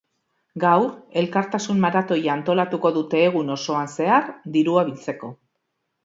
Gaur, elkartasun maratoia antolatuko dute egun osoan zehar, dirua biltzeko.